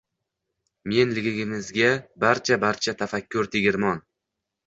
“Men”ligimizgacha barcha-barchasi tafakkur tegirmon